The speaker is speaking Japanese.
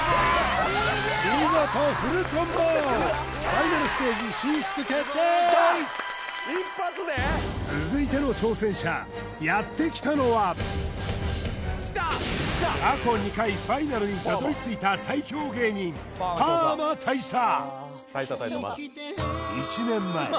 見事フルコンボ続いての挑戦者やってきたのは過去２回ファイナルにたどり着いた最強芸人パーマ大佐